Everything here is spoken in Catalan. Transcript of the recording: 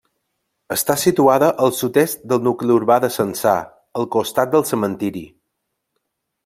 Està situada al sud-est del nucli urbà de Censà, al costat del cementiri.